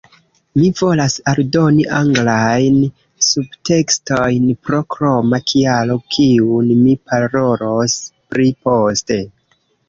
Mi volas aldoni anglajn subtekstojn pro kroma kialo kiun mi parolos pri poste